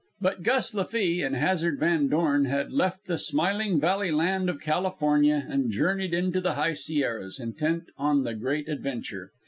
But Gus Lafee and Hazard Van Dorn had left the smiling valley land of California and journeyed into the high Sierras, intent on the great adventure.